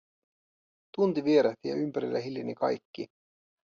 Tunti vierähti ja ympärillä hiljeni kaikki.